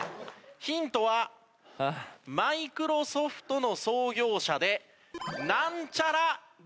ヒントはマイクロソフトの創業者でなんちゃらゲイツさん。